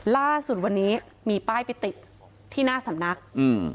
ล่าสุดวันนี้มีป้ายไปติดที่หน้าสำนักอืม